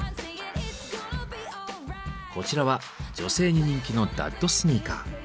こちらは女性に人気の「ダッドスニーカー」。